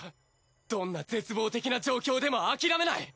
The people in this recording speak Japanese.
どんな絶望的な状況でも諦めない。